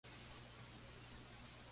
Se destaca además la actividad ganadera.